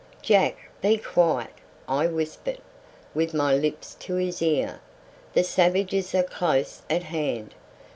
"Jack! be quiet!" I whispered, with my lips to his ear. "The savages are close at hand!"